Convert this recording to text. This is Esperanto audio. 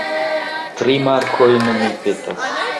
Tri markojn, mi petas.